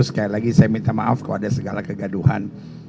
sekali lagi saya minta maaf kalau ada segala kegaduhan